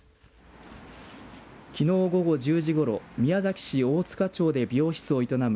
きのう午後１０時ごろ宮崎市大塚町で美容室を営む